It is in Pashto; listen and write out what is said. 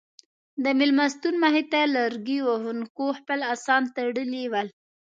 د مېلمستون مخې ته لرګي وهونکو خپل اسان تړلي ول.